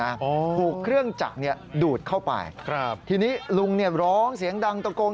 ถูกเครื่องจักรเนี่ยดูดเข้าไปครับทีนี้ลุงเนี่ยร้องเสียงดังตะโกน